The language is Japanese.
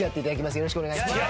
よろしくお願いします。